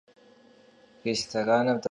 Rêstoranım dıvğak'ue.